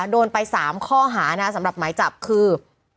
โดนไป๓ข้อหานะสำหรับหมายจับคือ